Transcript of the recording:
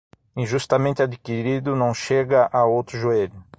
Injustamente adquirido não chega a outro joelho.